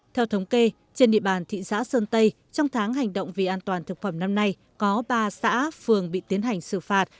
theo thống kê trên địa bàn thị xã sơn tây trong tháng hành động vì an toàn thực phẩm năm nay có ba xã phường bị tiến hành xử phạt